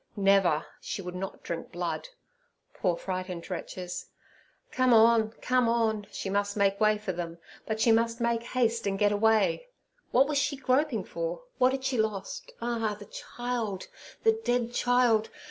never; she would not drink blood. Poor frightened wretches! Come on! come on! she must make way for them, but she must make haste and get away. What was she groping for? What had she lost? Ah! the child—the dead child.